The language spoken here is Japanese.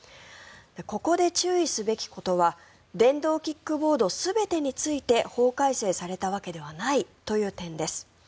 ここで注意すべきことは電動キックボード全てについて法改正されたわけではないという点です。